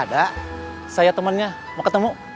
ada saya temannya mau ketemu